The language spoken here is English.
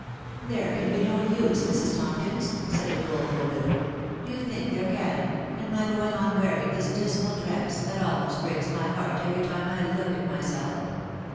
" There con be no «se> Mrs. Tompsans," said the doleful widow, <c do yon think there con .... in my going on wearing this dismal dress, that almost breaks wry heart every time I look at myself